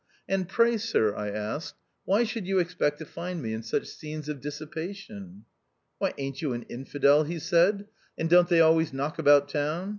" And pray, sir," I asked, " why should you expect to find me in such scenes of dissipation ?"" Why, aint you an infidel ?" he said. "And don't they always knock about town?